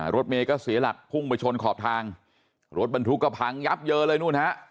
รถเมย์ก็เสียหลักพุ่งไปชนขอบทางรถบรรทุกก็พังยับเยอะเลยนู่นฮะ